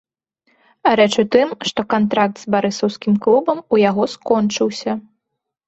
Рэч у тым, што кантракт з барысаўскім клубам у яго скончыўся.